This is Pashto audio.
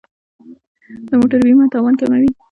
د موټر بیمه تاوان کموي.